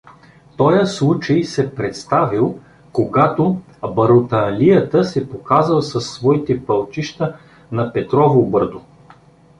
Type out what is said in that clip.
Тоя случай се представил, когато Барутанлията се показал със своите пълчища на Петрово бърдо.